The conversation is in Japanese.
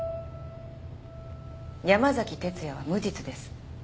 山崎哲也は無実です。